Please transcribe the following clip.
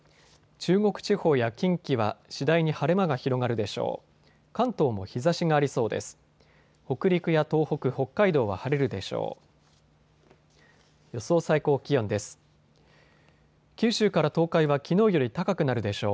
中国地方や近畿は次第に晴れ間が広がるでしょう。